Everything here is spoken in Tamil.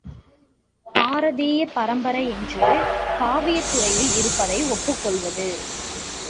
பாரதீய பரம்பரை என்று காவியத்துறையில் இருப்பதை ஒப்புக் கொள்வது.